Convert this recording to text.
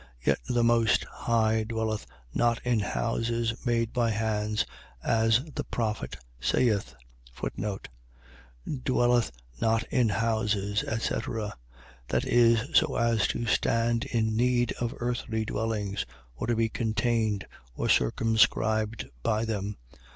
Yet the most High dwelleth not in houses made by hands, as the prophet saith: Dwelleth not in houses, etc. . .That is, so as to stand in need of earthly dwellings, or to be contained, or circumscribed by them.